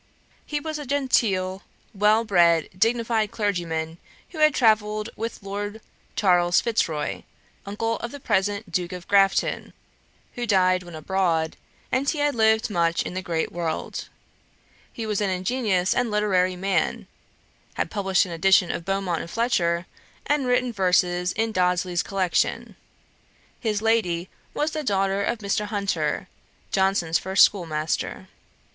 He was a genteel well bred dignified clergyman, had travelled with Lord Charles Fitzroy, uncle of the present Duke of Grafton, who died when abroad, and he had lived much in the great world. He was an ingenious and literary man, had published an edition of Beaumont and Fletcher, and written verses in Dodsley's collection. His lady was the daughter of Mr. Hunter, Johnson's first schoolmaster.